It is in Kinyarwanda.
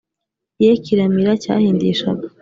ye kiramira cyahindishaga